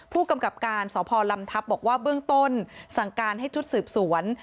ผู้กำกับการสพลำทัพบอกว่าเบื้องต้นสั่งการให้ชุดสืบสวน